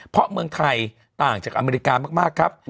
เพราะเมืองไทยต่างจากอเมริกามากครับ